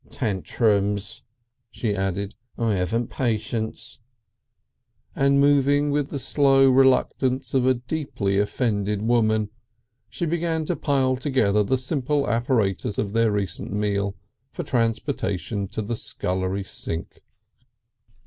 "Tantrums," she added. "I 'aven't patience." And moving with the slow reluctance of a deeply offended woman, she began to pile together the simple apparatus of their recent meal, for transportation to the scullery sink.